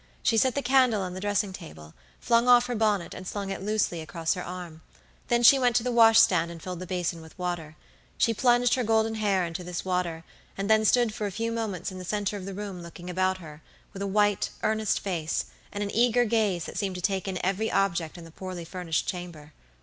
She set the candle on the dressing table, flung off her bonnet and slung it loosely across her arm; then she went to the wash stand and filled the basin with water. She plunged her golden hair into this water, and then stood for a few moments in the center of the room looking about her, with a white, earnest face, and an eager gaze that seemed to take in every object in the poorly furnished chamber.